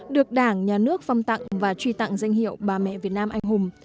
được đảng nhà nước phong tặng và truy tặng danh hiệu bà mẹ việt nam anh hùng